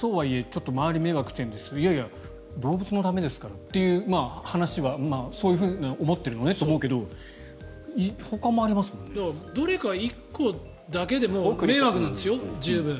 ちょっと周りが迷惑してるんですいやいや、動物のためですからっていう話はそういうふうに思っているのねとは思うけどどれか１個だけでも迷惑なんですよ十分。